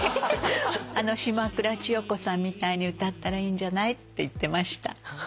「島倉千代子さんみたいに歌ったらいいんじゃない？」って言ってました。